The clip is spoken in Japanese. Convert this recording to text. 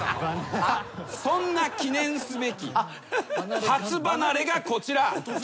そんな記念すべき初離れがこちら。